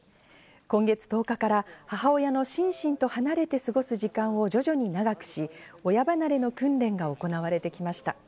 今月１０日から母親のシンシンと離れて過ごす時間を徐々に長くし、親離れの訓練が行われてきました。